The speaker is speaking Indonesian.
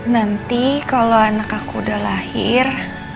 nanti kalau anak aku udah lahir